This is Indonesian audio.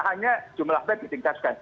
hanya jumlah bank ditingkatkan